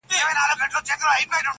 دا د روپیو تاوان څۀ ته وایي ,